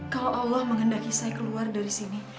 kalau allah menghendaki saya keluar dari sini